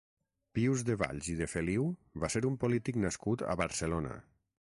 Pius de Valls i de Feliu va ser un polític nascut a Barcelona.